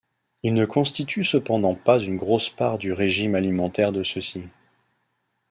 Il ne constitue cependant pas une grosse part du régime alimentaire de ceux-ci.